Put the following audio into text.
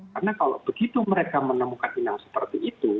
karena kalau begitu mereka menemukan imang seperti itu